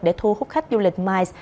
để thu hút khách du lịch mice